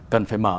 cần phải mở